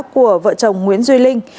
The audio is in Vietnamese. của vợ chồng nguyễn duy linh